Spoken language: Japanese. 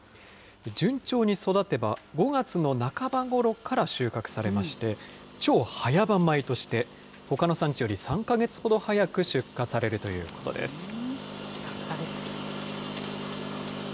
順調に育てば、５月の半ばごろから収穫されまして、超早場米として、ほかの産地より３か月ほど早く出荷されるということです。